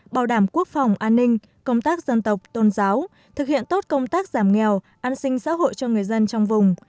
bảo đảm quốc phòng an ninh công tác dân tộc tôn giáo thực hiện tốt công tác giảm nghèo an sinh xã hội cho người dân trong vùng